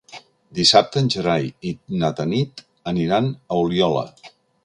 Dissabte en Gerai i na Tanit aniran a Oliola.